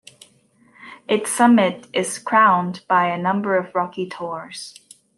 Its summit is crowned by a number of rocky tors.